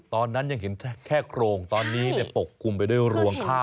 ตอนนั้นยังเห็นแค่โครงตอนนี้ปกคลุมไปด้วยรวงข้าว